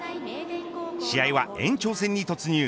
試合は延長戦に突入。